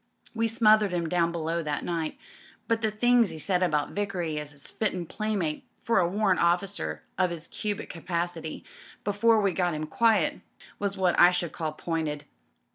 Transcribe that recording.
We smothered him down below that night, but the things *e said about Vickery as a fittin' playmate for a Warrant OflScer of 'is cubic capacity, before we got him quiet, was what I should call pointed."